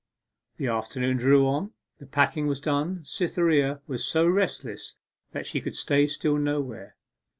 The afternoon drew on. The packing was done. Cytherea was so restless that she could stay still nowhere.